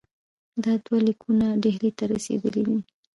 دا دوه لیکونه ډهلي ته رسېدلي دي.